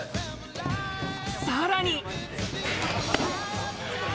さらに。